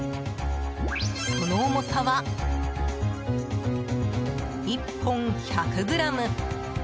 その重さは１本１００ｇ。